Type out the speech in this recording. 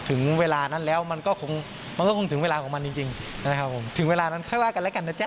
ถึงเวลานั้นแล้วมันก็คงถึงเวลาของมันจริงถึงเวลานั้นค่อยว่ากันแล้วกันนะจ๊ะ